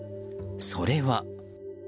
それは。